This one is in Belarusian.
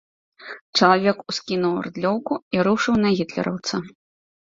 Чалавек ускінуў рыдлёўку і рушыў на гітлераўца.